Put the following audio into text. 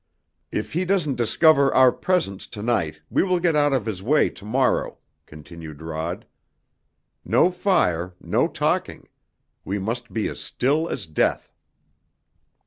"If he doesn't discover our presence to night we will get out of his way to morrow," continued Rod. "No fire no talking. We must be as still as death!"